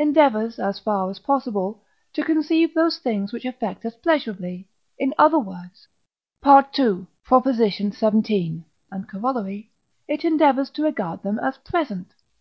endeavours, as far as possible, to conceive those things which affect us pleasurably; in other words (II. xvii. and Coroll.), it endeavours to regard them as present.